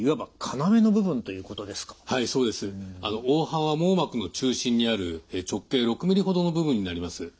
黄斑は網膜の中心にある直径６ｍｍほどの部分になります。